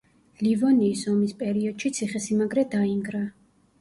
ლივონიის ომის პერიოდში ციხესიმაგრე დაინგრა.